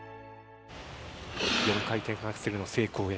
４回転アクセルの成功へ。